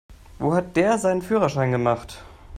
Wo hat der seinen Führerschein gemacht?